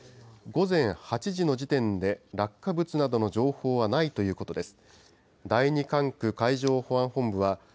午前８時の時点で落下物などの情報はないということです。